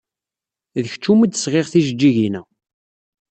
D kečč umi d-sɣiɣ tijeǧǧigin-a.